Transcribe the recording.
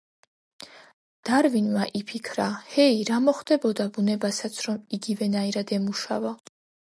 დარვინმა იფიქრა: ჰეი, რა მოხდებოდა ბუნებასაც, რომ იგივენაირად ემუშავა.